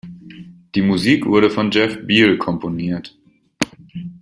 Die Musik wurde von Jeff Beal komponiert.